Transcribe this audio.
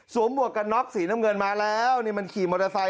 หมวกกันน็อกสีน้ำเงินมาแล้วนี่มันขี่มอเตอร์ไซค